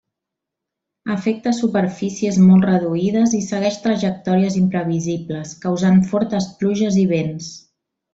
Afecta superfícies molt reduïdes i segueix trajectòries imprevisibles, causant fortes pluges i vents.